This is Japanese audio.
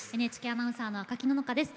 ＮＨＫアナウンサーの赤木野々花です。